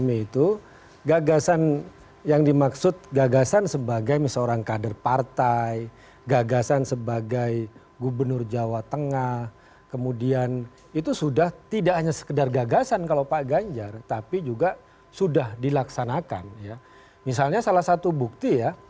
itu urusan dia dengan allah swt